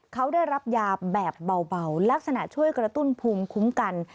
เขาได้รับยาแบบเบาลักษณะช่วยกระตุ้นภูมิคุ้มกัน